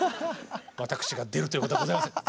私が出るということはございません。